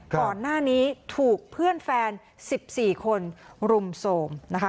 ก่อนหน้านี้ถูกเพื่อนแฟน๑๔คนรุมโทรมนะคะ